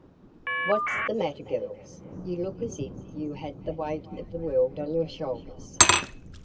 "What's the matter, girls? You look as if you had the weight of the world on your shoulders."